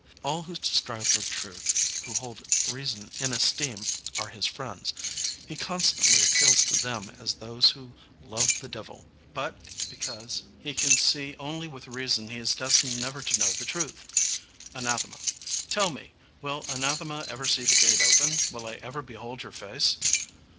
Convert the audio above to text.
'* All who strive for truth, who hold reason in esteem, are his friends. He con stantly appeals to them as those who *'love the devil. '' But because he can see only with reason he is destined never to know the truth I Anathema. Tell me, will Anathema ever see the gate open? Will I ever behold your face?